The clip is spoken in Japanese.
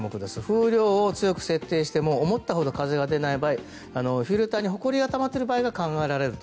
風量を強く設定しても思ったほど風が出ない場合はフィルターにほこりがたまっている場合が考えられる。